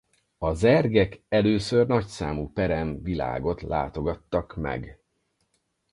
A Zergek először nagy számú perem világot látogattak meg.